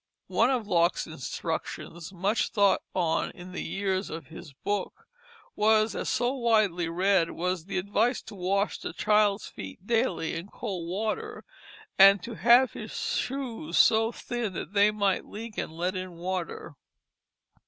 One of Locke's instructions much thought on in the years his book was so widely read was the advice to wash the child's feet daily in cold water, and "to have his shoes so thin that they might leak and let in water."